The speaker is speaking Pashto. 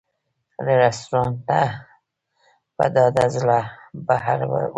له رسټورانټ نه په ډاډه زړه بهر ووتلم.